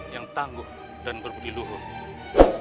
yang tangguh dan berbudiluhu